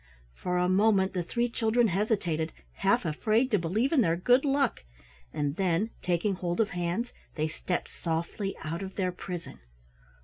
For a moment the three children hesitated, half afraid to believe in their good luck, and then, taking hold of hands they stepped softly out of their prison.